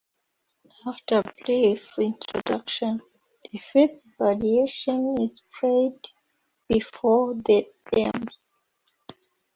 After a brief introduction, the first variation is played "before" the theme.